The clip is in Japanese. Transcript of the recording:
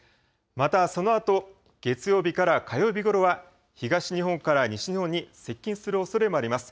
また、そのあと月曜日から火曜日ごろは、東日本から西日本に接近するおそれもあります。